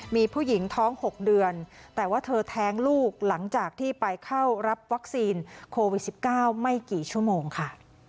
มีผู้หญิงท้อง๖เดือนแต่ว่าเธอแท้งลูกหลังจากที่ไปเข้ารับวัคซีนโควิด๑๙ไม่กี่ชั่วโมงค่ะ